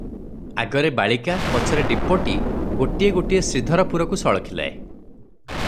ଆଗରେ ବାଳିକା, ପଛରେ ଡିପୋଟି ଗୋଟିଏ ଗୋଟିଏ ଶ୍ରୀଧରପୁରକୁ ସଳଖିଲେ ।